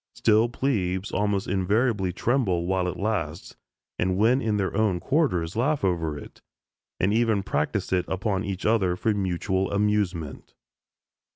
Still "plebes" almost invariably tremble while it lasts, and when in their own quarters laugh over it, and even practise it upon each other for mutual amusement.